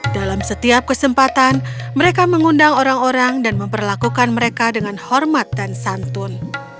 dalam setiap kesempatan mereka mengundang orang orang dan memperlakukan mereka dengan hormat dan santun